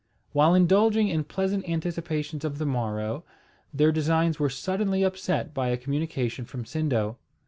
While indulging in pleasant anticipations of the morrow, their designs were suddenly upset by a communication from Sindo.